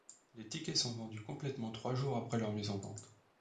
Les tickets se sont vendus complètement trois jours après leur mise en vente.